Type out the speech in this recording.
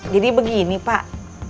jadi begini pak